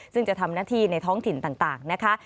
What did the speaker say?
ซึ่งจะทำหน้าที่ในท้องถิ่นต่างนะคะ